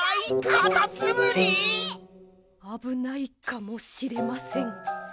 あぶないかもしれません。